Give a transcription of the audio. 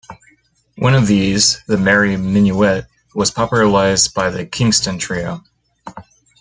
One of these, "The Merry Minuet", was popularized by the Kingston Trio.